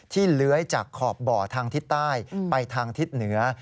เลื้อยจากขอบบ่อทางทิศใต้ไปทางทิศเหนือ